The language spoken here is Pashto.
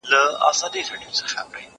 زه پرون سبزیجات جمع کوم،